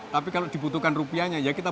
tapi kalau dibutuhkan rupiahnya ya kita